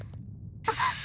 あっ！